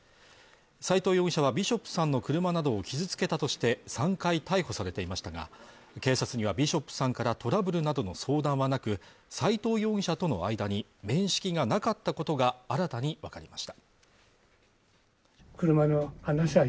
斉藤容疑者はビショップさんの車を傷つけたとして３回逮捕されていましたが警察にはビショップさんからトラブルなどの相談はなく斉藤容疑者との間に面識がなかったことが新たに分かりました。